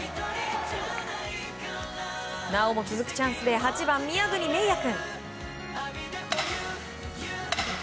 なおも続くチャンスで宮國明也君。